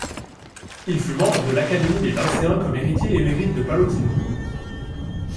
Il fut membre de l'Académie des Lyncéens comme héritier émérite de Pallottino.